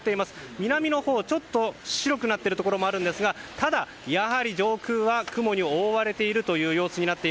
南のほう、ちょっと白くなっているところもあるんですがただ、やはり上空は雲に覆われている様子です。